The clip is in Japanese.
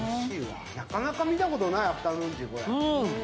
なかなか見たことないアフタヌーンティー、これは。